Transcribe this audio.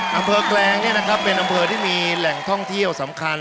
อำเภอแกลงเป็นอำเภอที่มีแหล่งท่องเที่ยวสำคัญ